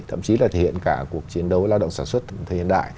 thậm chí là thể hiện cả cuộc chiến đấu với lao động sản xuất thời hiện đại